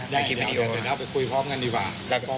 ยังไม่รู้นะอักหลังจะมาตาม